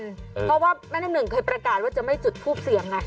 เพราะว่าแม่น้ำหนึ่งเคยประกาศว่าจะไม่จุดทูปเสียงไง